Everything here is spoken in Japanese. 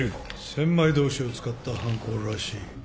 千枚通しを使った犯行らしい。